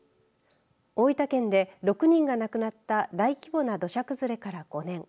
大分県で６人が亡くなった大規模な土砂崩れから５年。